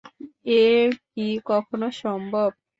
এ কি কখনো সম্ভব?